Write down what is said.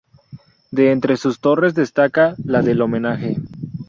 De entre sus torres destaca la del Homenaje.